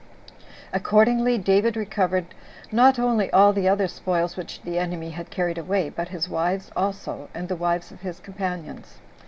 Accordingly David recovered not only all the other spoils which the enemy had carried away, but his wives also, and the wives of his companions.